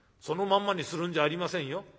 そのまんまにするんじゃありませんよ。